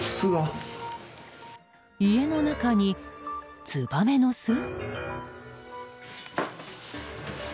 家の中にツバメの巣？